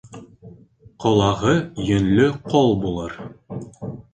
Ҡолағы йөнлө ҡол булыр